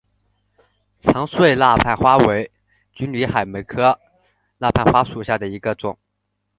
长穗蜡瓣花为金缕梅科蜡瓣花属下的一个种。